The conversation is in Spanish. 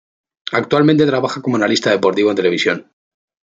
Actualmente trabaja como analista deportivo en televisión.